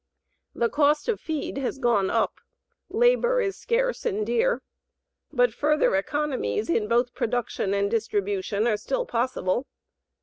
The cost of feed has gone up, labor is scarce and dear, but further economies in both production and distribution are still possible.